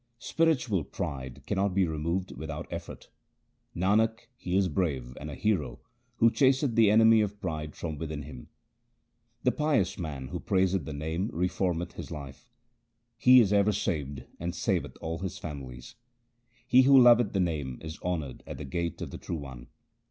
Spiritual pride cannot be removed without effort :— Nanak, he is brave and a hero who chaseth the enemy of pride from within him. The pious man who praiseth the Name reformeth his life : He is ever saved and saveth all his families. He who loveth the Name is honoured at the gate of the True One.